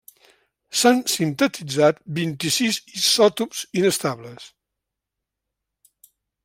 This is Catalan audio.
S'han sintetitzat vint-i-sis isòtops inestables.